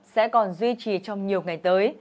sẽ còn duy trì trong nhiều ngày tới